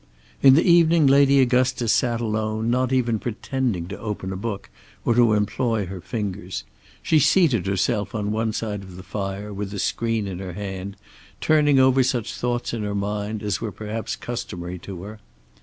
In the evening Lady Augustus sat alone, not even pretending to open a book or to employ her fingers. She seated herself on one side of the fire with a screen in her hand, turning over such thoughts in her mind as were perhaps customary to her.